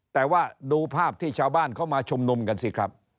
แต่ว่าดูภาพที่ชาวบ้านเขามาชุมนุมกันสิครับ